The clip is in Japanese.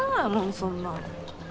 そんなん。